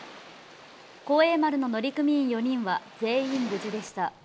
「幸栄丸」の乗組員４人は全員無事でした。